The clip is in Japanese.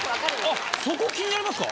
あっそこ気になりますか。